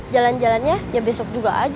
jalan jalannya ya besok juga aja